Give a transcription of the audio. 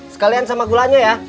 sekalian sama gulanya ya